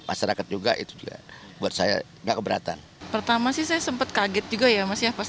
masyarakat juga itu juga buat saya enggak keberatan pertama sih saya sempat kaget juga ya masih ya pas